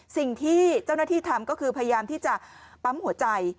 สิ่งที่เจ้าหน้าที่ทำก็คือพยายามที่จะปั๊มหัวใจ